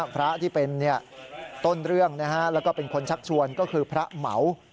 พระที่เป็นต้นเรื่องแล้วก็เป็นคนชักชวนก็คือพระเหมา